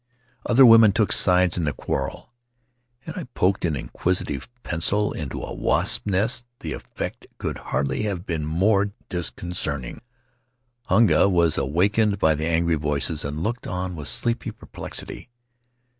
Other women took sides in the quarrel. Had I poked an inquisitive pencil into a wasps' nest the effect could hardly have been more dis concerting. Hunga was awakened by the angry voices and looked on with sleepy perplexity.